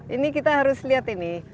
ini kita harus lihat ini